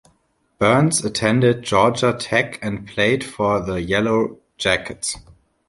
Burns attended Georgia Tech and played for the Yellow Jackets.